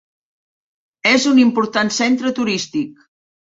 És un important centre turístic.